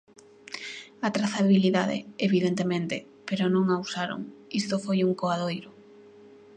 A trazabilidade, evidentemente, pero non a usaron, isto foi un coadoiro.